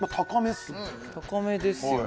高めですよね。